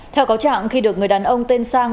theo cáo trạng khi được người đàn ông tên sang